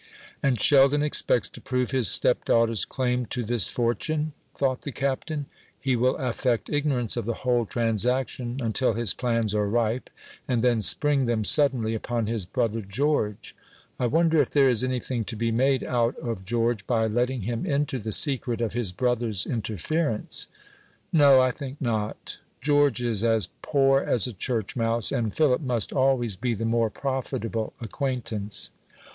"And Sheldon expects to prove his stepdaughter's claim to this fortune?" thought the Captain. "He will affect ignorance of the whole transaction until his plans are ripe, and then spring them suddenly upon his brother George. I wonder if there is anything to be made out of George by letting him into the secret of his brother's interference? No; I think not. George is as poor as a church mouse, and Philip must always be the more profitable acquaintance."